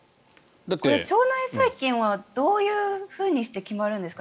腸内細菌は、どういうふうにして決まるんですか？